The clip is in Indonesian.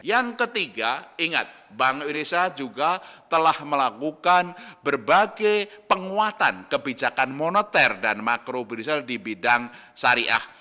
yang ketiga ingat bank indonesia juga telah melakukan berbagai penguatan kebijakan moneter dan makro berisial di bidang syariah